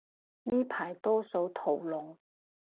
呢排多數屠龍